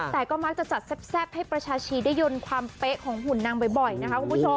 แต่ก็มักจะจัดแซ่บให้ประชาชีได้ยนต์ความเป๊ะของหุ่นนางบ่อยนะคะคุณผู้ชม